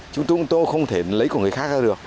chúng tôi không thể lấy của người khác ra được